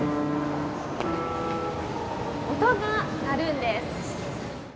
音が鳴るんです。